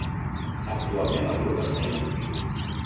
Actualment el grup està inactiu.